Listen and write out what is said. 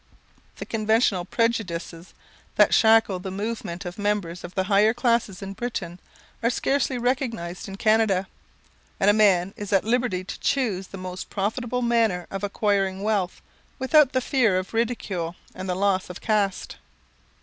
The conventional prejudices that shackle the movements of members of the higher classes in Britain are scarcely recognised in Canada; and a man is at liberty to choose the most profitable manner of acquiring wealth, without the fear of ridicule and the loss of caste.